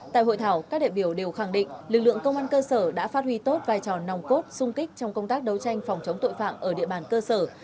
tại hội thảo các đại biểu đều khẳng định lực lượng công an cơ sở đã phát huy tốt vai trò nòng cốt sung kích trong công tác đấu tranh phòng chống tội phạm ở địa bàn cơ sở